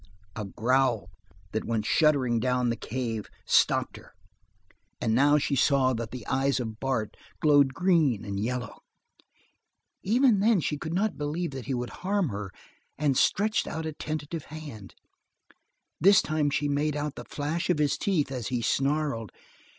A growl that went shuddering down the cave stopped her, and now she saw that the eyes of Bart glowed green and yellow. Even then she could not believe that he would harm her, and stretched out a tentative hand. This time she made out the flash of his teeth as he snarled.